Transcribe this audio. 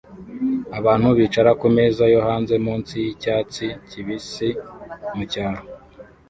Abantu bicara kumeza yo hanze munsi yicyatsi kibisi mucyaro